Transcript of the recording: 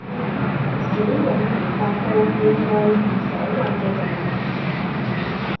小勇明白到要愛護所有嘅動物